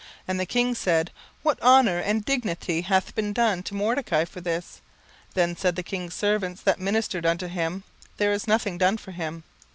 17:006:003 And the king said, What honour and dignity hath been done to Mordecai for this? Then said the king's servants that ministered unto him, There is nothing done for him.